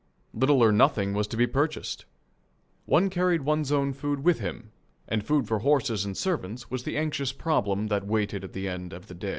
Little or nothing was to be purchased. One carried one's own food with him and food for horses and servants was the anxious problem that waited at the day's end.